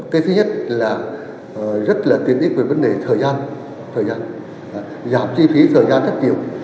cái thứ nhất là rất là tiến ích về vấn đề thời gian giảm chi phí thời gian rất nhiều